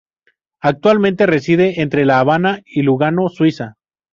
Actualmente reside entre La Habana y Lugano, Suiza